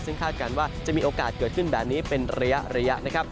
ซึ่งคาดการณ์ว่าจะมีโอกาสเกิดขึ้นแบบนี้เป็นระยะนะครับ